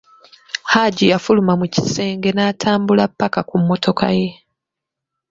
Haji yafuluma mu kisenge n'atambula mpaka ku mmotoka ye.